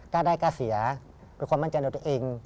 กล้าได้กล้าเสียเป็นคนมั่นเจนตัวตัวเอง